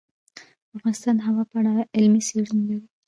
افغانستان د هوا په اړه علمي څېړنې لري.